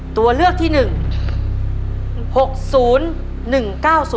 ตัวเลือกที่หนึ่ง๖๐๑๙๐